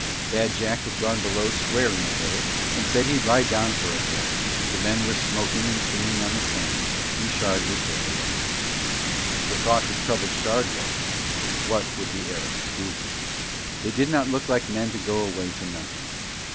Bad Jack had gone below swearing a little and said he'd lie down for a bit, the men were smoking and singing on the sand, and Shard was there alone. The thought that troubled Shard was: what would the Arabs do? They did not look like men to go away for nothing.